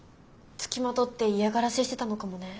付きまとって嫌がらせしてたのかもね。